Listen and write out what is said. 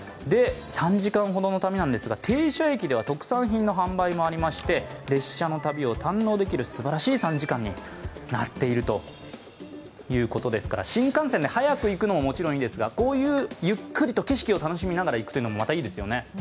３時間ほどの旅なんですが、停車駅では特産品の販売もありまして列車の旅を堪能できる、すばらしい３時間になっているということですから、新幹線で早く行くのももちろんですがこういうゆっくりと景色を楽しみながら行くのもいいですよね。